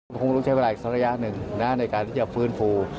ก็คงต้องใช้เวลาอีกสักระยะหนึ่งนะในการที่จะฟื้นฟู